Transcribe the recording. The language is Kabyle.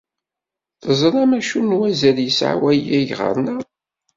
Teẓram acu n wazal yesɛa wayagi ɣer-neɣ?